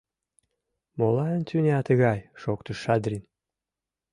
— Молан тӱня тыгай? — шоктыш Шадрин.